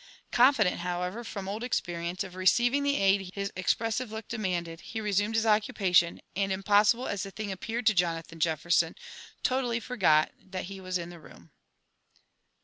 Confident, however, from old experience, of receiving the aid his «X'« SS Um AND ADVENTURES OF pressiYe look demaoded, he resumed his occupatloD, and, impossible as the thiog appeared to Jonathao Jeffersoo, totally forgot that he was in the room.